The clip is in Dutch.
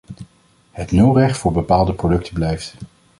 Het nulrecht voor bepaalde producten blijft.